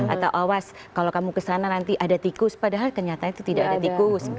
atau awas kalau kamu kesana nanti ada tikus padahal kenyataan itu tidak ada tikus